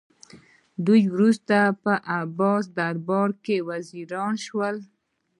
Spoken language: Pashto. دوی وروسته په عباسي دربار کې وزیران شول